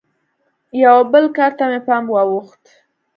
یوه بل کار ته مې پام واوښت.